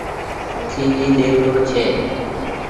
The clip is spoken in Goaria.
ٽي وي ۮيک رو ڇي۔